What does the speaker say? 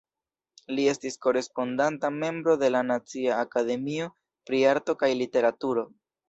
Li estis korespondanta membro de la Nacia Akademio pri Arto kaj Literaturo.